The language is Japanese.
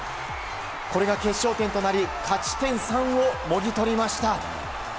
これが決勝点となり勝ち点３をもぎ取りました。